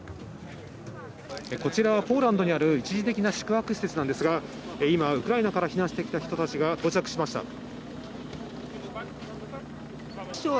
こちらはポーランドにある一時的な宿泊施設ですが今、ウクライナから避難してきた人たちが到着しました。